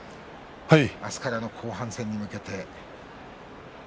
明日からの後半戦に向けて。